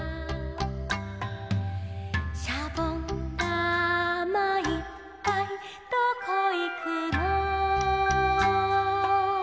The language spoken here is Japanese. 「しゃぼんだまいっぱいどこいくの」